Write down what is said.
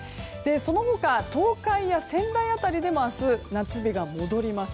その他、東海や仙台辺りでも明日、夏日が戻ります。